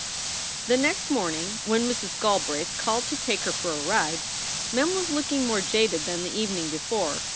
The next morning, when Mrs. Galbraith called to take her for a ride, Mem was looking more jaded than the evening before.